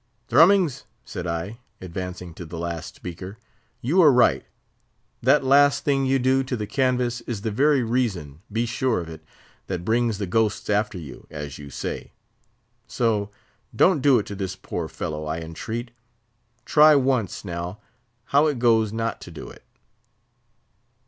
"Thrummings," said I, advancing to the last speaker, "you are right. That last thing you do to the canvas is the very reason, be sure of it, that brings the ghosts after you, as you say. So don't do it to this poor fellow, I entreat. Try once, now, how it goes not to do it."